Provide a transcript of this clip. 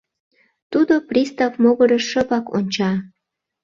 Тудо пристав могырыш шыпак онча.